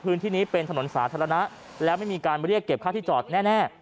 พื้นที่นี้เป็นถนนสาธารณะแล้วไม่มีการเรียกเก็บค่าที่จอดแน่